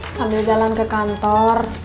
sambil jalan ke kantor